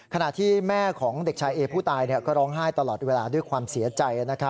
ขณะที่แม่ของเด็กชายเอผู้ตายก็ร้องไห้ตลอดเวลาด้วยความเสียใจ